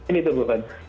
ini tuh beban